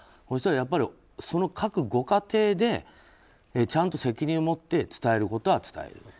そうしたら、やっぱりその各ご家庭でちゃんと責任を持って伝えることは伝える。